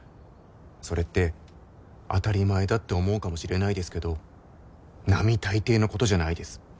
それって当たり前だって思うかもしれないですけど並大抵のことじゃないです。